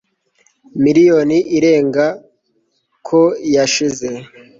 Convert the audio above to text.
miliyoni irenga ko yashize